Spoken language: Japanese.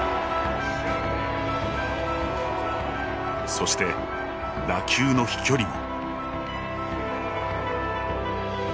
そして、打球の飛距離も。